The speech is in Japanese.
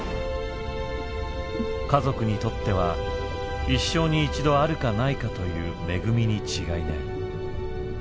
家族にとっては一生に一度あるかないかという恵みに違いない。